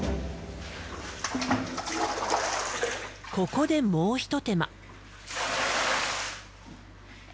ここでもう一手間。